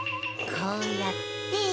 こうやって。